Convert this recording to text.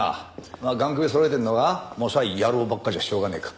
まあ雁首そろえてんのがもさい野郎ばっかじゃしょうがねえか。